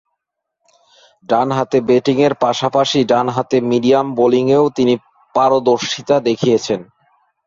ডানহাতে ব্যাটিংয়ের পাশাপাশি ডানহাতে মিডিয়াম বোলিংয়েও তিনি পারদর্শিতা দেখিয়েছেন।